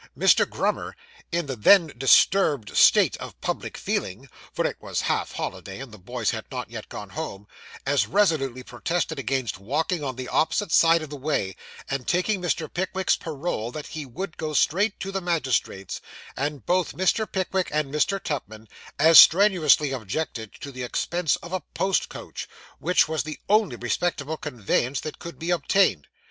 Mr. Grummer, in the then disturbed state of public feeling (for it was half holiday, and the boys had not yet gone home), as resolutely protested against walking on the opposite side of the way, and taking Mr. Pickwick's parole that he would go straight to the magistrate's; and both Mr. Pickwick and Mr. Tupman as strenuously objected to the expense of a post coach, which was the only respectable conveyance that could be obtained.